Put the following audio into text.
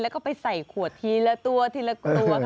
แล้วก็ไปใส่ขวดทีละตัวทีละครัว